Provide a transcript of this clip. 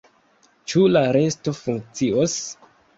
Ĉu la resto funkcios?